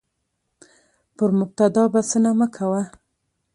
پر مبتدا بسنه مه کوه،